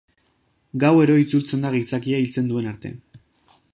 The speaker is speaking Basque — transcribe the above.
Gauero itzultzen da gizakia hiltzen duen arte.